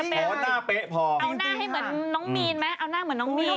คุณไม่เป๊ะขอหน้าเป๊ะพอจริงค่ะเอาหน้าให้เหมือนน้องมีนไหมเอาหน้าเหมือนน้องมีน